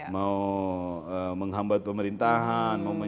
mau menghambat pemerintahan